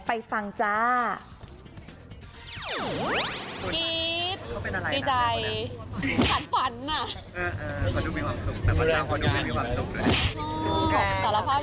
ไปเต็มสี